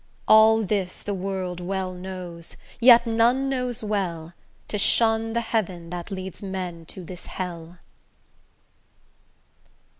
All this the world well knows; yet none knows well To shun the heaven that leads men to this hell.